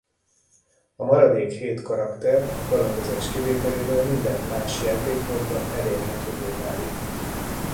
A maradék hét karakter a kalandozás kivételével minden más játékmódban elérhetővé válik.